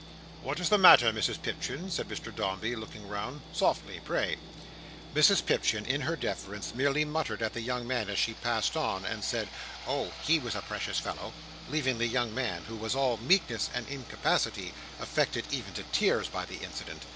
"What is the matter, Mrs Pipchin?" said Mr Dombey, looking round. "Softly! Pray!" Mrs Pipchin, in her deference, merely muttered at the young man as she passed on, and said, "Oh! he was a precious fellow"—leaving the young man, who was all meekness and incapacity, affected even to tears by the incident.